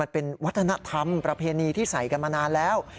เป็นวัฒนธรรมประเพณีที่ใส่กันมานานแล้ว